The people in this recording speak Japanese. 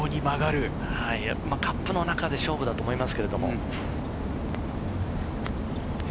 カップの中で勝負だと思います。